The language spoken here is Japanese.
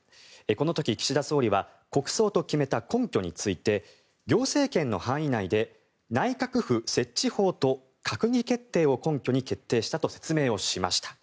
この時、岸田総理は国葬と決めた根拠について行政権の範囲内で内閣府設置法と閣議決定を根拠に決定をしたと説明をしました。